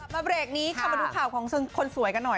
มาเวลานี้คำนวดดูข่าวของคนสวยกะหน่อย